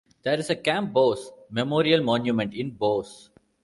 There is a Camp Bouse memorial monument in Bouse.